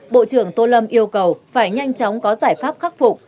bộ trưởng tô lâm yêu cầu phải nhanh chóng có giải pháp khắc phục